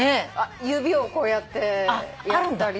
指をこうやってやったりとか。